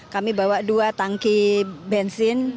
kami bawa dua tangki bensin